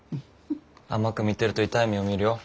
甘く見てると痛い目を見るよ。